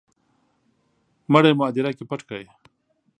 مړی مو هدیره کي پټ کړی